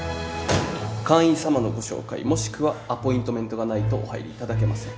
会員さまのご紹介もしくはアポイントメントがないとお入りいただけません。